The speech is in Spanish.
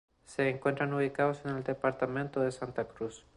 Se encuentran ubicados en el Departamento de Santa Cruz.